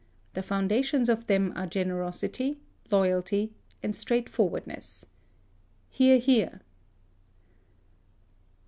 The foundations of them are generosity, loyalty, and straightforwardness. (Hear, hear.)